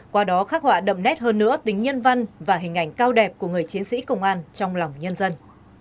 qua đó khắc họa đậm nét hơn nữa tính nhân văn và hình ảnh cao đẹp của người chiến sĩ công an trong lòng nhân dân